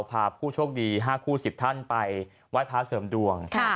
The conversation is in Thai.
พาผู้โชคดี๕คู่๑๐ท่านไปไหว้พระเสริมดวง